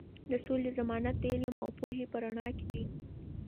د سولې ضمانت د علم او پوهې په رڼا کې دی.